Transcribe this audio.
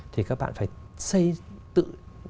thì các bạn phải xây tự